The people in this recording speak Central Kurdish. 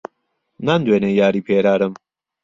نامدوێنێ یاری پێرارم